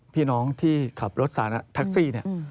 พี่น้องที่ขับรถสารแท็กซี่เนี่ย